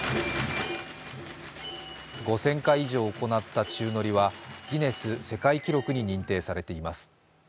５０００回以上行った宙乗りはギネス世界記録に認定されています。